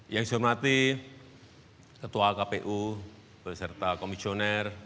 yang saya hormati ketua kpu beserta komisioner